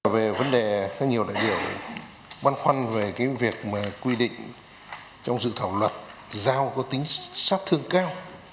về vấn đề có nhiều đại biểu băn khoăn về cái việc mà quy định trong dự thảo luật giao có tính sát thương cao